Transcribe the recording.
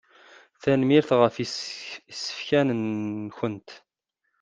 Tanemmirt ɣef isefkan-nkent.